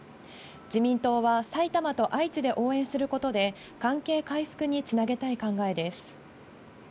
自民党は埼玉と愛知で応援することで、関係回復につなげたい考えです。